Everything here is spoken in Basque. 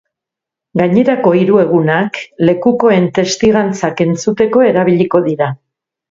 Gainerako hiru egunak lekukoen testigantzak entzuteko erabiliko dira.